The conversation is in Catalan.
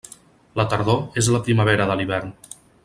La tardor és la primavera de l'hivern.